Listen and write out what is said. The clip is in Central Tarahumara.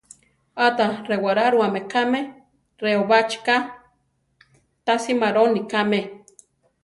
Áta rewaráruame kame reobachi ká, ta simaroni kame.